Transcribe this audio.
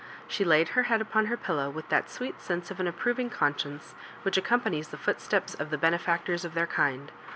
She laid her head upon her pillow with that sweet sense of an approv ing conscience which accompanies the footsteps of the benefactors of their kind.